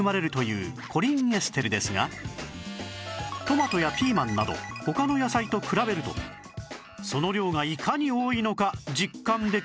トマトやピーマンなど他の野菜と比べるとその量がいかに多いのか実感できるんです